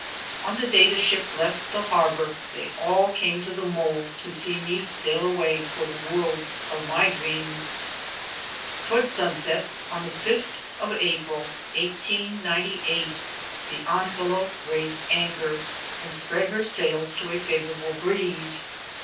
On the day the ship left the harbor they all came to the mole to see me sail away toward the worlds of my dreams. Toward sunset on the fifth of April, 1898, the Angela raised anchor and spread her sails to a favorable breeze.